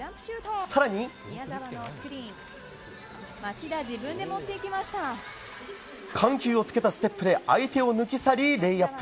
更に、緩急をつけたステップで相手を抜き去りレイアップ。